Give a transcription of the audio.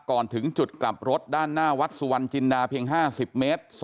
ก่อนถึงจุดกลับรถด้านหน้าวัดสุวรรณจินดาเพียง๕๐เมตร